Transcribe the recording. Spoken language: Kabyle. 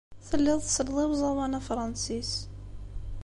Telliḍ tselleḍ i uẓawan afṛensis.